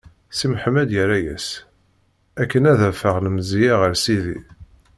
Si Mḥemmed irra-as: Akken ad afeɣ lemzeyya ɣer Sidi.